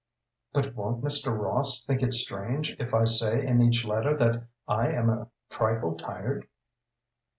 '" "But won't Mr. Ross think it strange if I say in each letter that I am a trifle tired?"